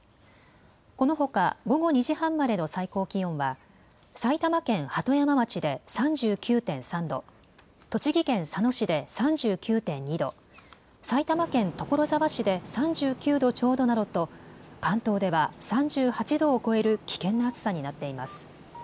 このほか午後２時半までの最高気温は埼玉県鳩山町で３９．３度、栃木県佐野市で３９．２度、埼玉県所沢市で３９度ちょうどなどと関東では３８度を超える危険な暑さになっています。